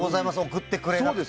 送ってくれなくて。